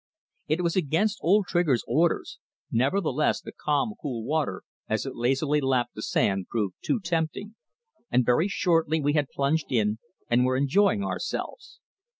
It was against old Trigger's orders, nevertheless the calm, cool water as it lazily lapped the sand proved too tempting, and very shortly we had plunged in and were enjoying ourselves.